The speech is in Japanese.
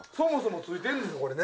ついてるんですねこれね。